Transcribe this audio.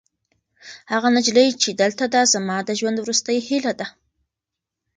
هغه نجلۍ چې دلته ده، زما د ژوند وروستۍ هیله ده.